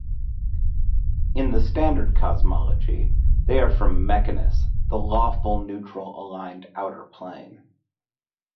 In the standard cosmology, they are from Mechanus, the Lawful Neutral aligned Outer Plane.